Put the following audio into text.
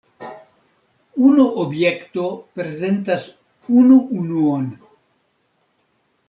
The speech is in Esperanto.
Unu objekto prezentas unu unuon.